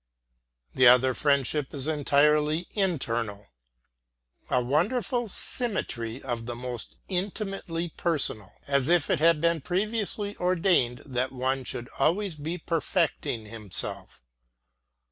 The other friendship is entirely internal. A wonderful symmetry of the most intimately personal, as if it had been previously ordained that one should always be perfecting himself.